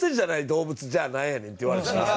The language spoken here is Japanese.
動物じゃあなんやねんって言われたら。